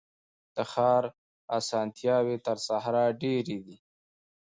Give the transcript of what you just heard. د ښار اسانتیاوي تر صحرا ډیري دي.